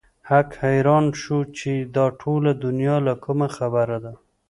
هک حيران شو چې دا ټوله دنيا له کومه خبره ده.